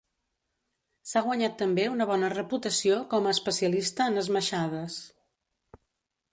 S'ha guanyat també una bona reputació com a especialista en esmaixades.